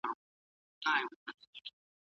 مرګ د هر ژوندي سري وروستی منزل دی.